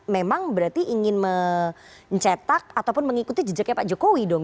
memang berarti ingin mencetak ataupun mengikuti jejaknya pak jokowi dong